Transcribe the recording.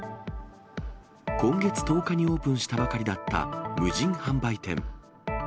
今月１０日にオープンしたばかりだった無人販売店。